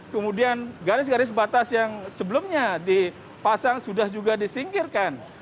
kemudian garis garis batas yang sebelumnya dipasang sudah juga disingkirkan